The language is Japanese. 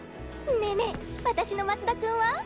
ねねっ私の松田君は？